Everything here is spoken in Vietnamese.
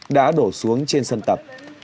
đã đổ xuống trên sân tập